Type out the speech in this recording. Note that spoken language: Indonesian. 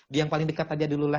di yang paling dekat saja dulu lah